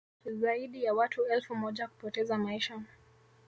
zaidi ya watu elfu moja kupoteza maisha